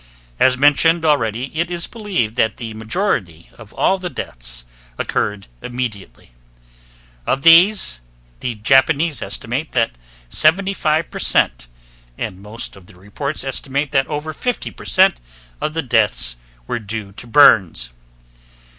As mentioned already, it is believed that the majority of all the deaths occurred immediately. Of these, the Japanese estimate that 75%, and most of the reports estimate that over 50%, of the deaths were due to burns.